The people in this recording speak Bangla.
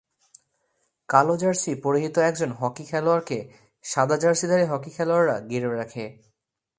কালো জার্সি পরিহিত একজন হকি খেলোয়াড়কে সাদা জার্সিধারী হকি খেলোয়াড়রা ঘিরে রাখে।